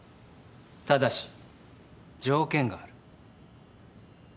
ただし条件がある。